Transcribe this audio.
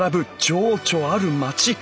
情緒ある街。